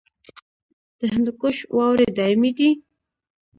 د هندوکش واورې دایمي دي